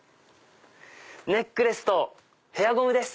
ネックレスとヘアゴムです。